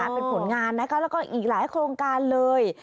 เป็นผลงานนะคะแล้วก็อีกหลายโครงการเลย